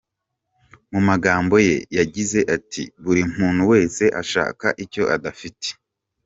Mu magambo ye yagize ati: ”buri muntu wese ashaka icyo adafite.